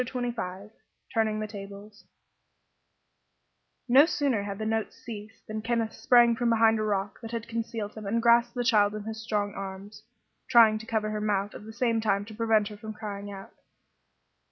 CHAPTER XXV TURNING THE TABLES No sooner had the notes ceased than Kenneth sprang from behind a rock that had concealed him and grasped the child in his strong arms, trying to cover her mouth at the same time to prevent her from crying out.